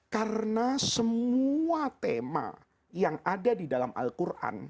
karena semua tema yang ada di dalam al quran